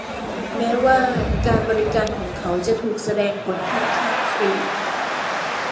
แม้ว่าการบริการของเขาจะถูกแสดงผลค่อนข้างฟรี